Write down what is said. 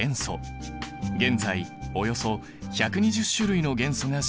現在およそ１２０種類の元素が知られている。